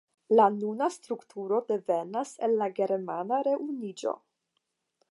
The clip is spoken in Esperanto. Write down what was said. La nuna strukturo devenas el la germana reunuiĝo.